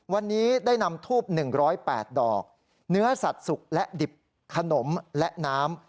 วันนี้ได้นำทูบหนึ่งร้อยแปดดอกเนื้อสัตว์สุกและดิบขนมและน้ำ